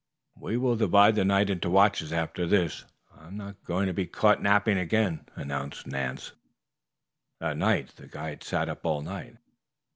"We will divide the night into watches after this. I am not going to be caught napping again," announced Nance. That night the guide sat up all night.